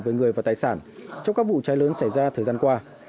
với người và tài sản trong các vụ cháy lớn xảy ra thời gian qua